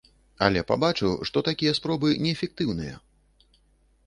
Але пабачыў, што такія спробы неэфектыўныя.